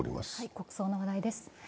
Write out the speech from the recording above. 国葬の話題です。